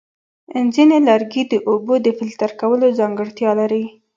ځینې لرګي د اوبو د فلټر کولو ځانګړتیا لري.